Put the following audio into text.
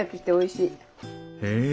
へえ！